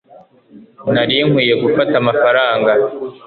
nari nkwiye gufata amafaranga